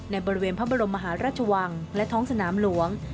ในบริเวณพระบรมมหาราชวังและท้องสนามหลวง